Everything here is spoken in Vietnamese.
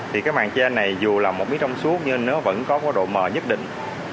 thì cái mạng che này dù là một miếng trong suốt nhưng nó vẫn có độ mờ nhất định